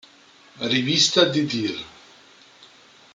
Rivista di Dir.